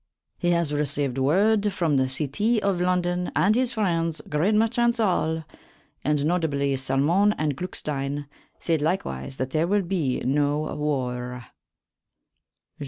He has received worde from the cytie of London, and his friends, great merchaunts all, and notably, Salmone and Glukstyn, sayd likewise that there will be no warre.